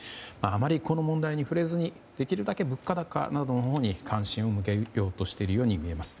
あまりこの問題に触れずにできるだけ物価高のほうに関心を向けようとしているように見えます。